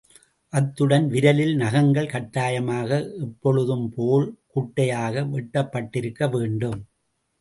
அத்துடன், விரலில் நகங்கள் கட்டாயமாக எப்பொழுதும்போல் குட்டையாக வெட்டப்பட்டிருக்க வேண்டும்.